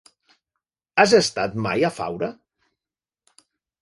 Has estat mai a Faura?